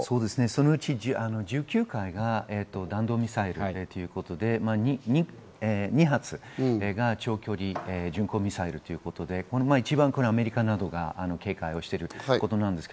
そのうち１９回が弾道ミサイルということで、２発が長距離巡航ミサイルということで、一番アメリカなどが警戒していることです。